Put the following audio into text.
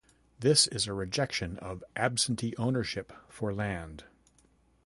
This is a rejection of Absentee ownership for land.